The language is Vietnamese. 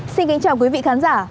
xin kính chào quý vị khán giả